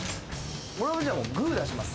俺はじゃあグー出します。